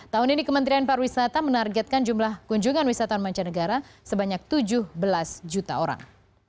tahun ini kementerian pariwisata menargetkan jumlah kunjungan wisatawan mancanegara sebanyak tujuh belas juta orang